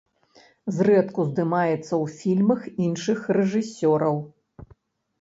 Зрэдку здымаецца ў фільмах іншых рэжысёраў.